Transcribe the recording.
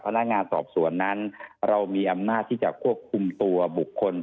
พนักงานสอบสวนนั้นเรามีอำนาจที่จะควบคุมตัวบุคคล